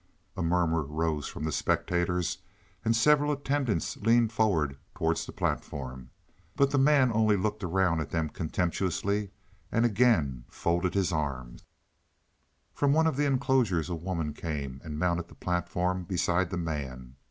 A murmur rose from the spectators, and several attendants leaned forward towards the platform. But the man only looked around at them contemptuously and again folded his arms. From one of the enclosures a woman came, and mounted the platform beside the man.